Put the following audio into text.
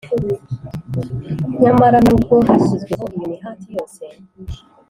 Nyamara nubwo hashyizweho iyo mihati yose